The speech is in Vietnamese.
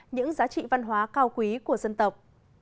những giá trị văn hóa cao quý của dân tộc